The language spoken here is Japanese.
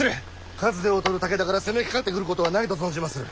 数で劣る武田から攻めかかってくることはないと存じまする。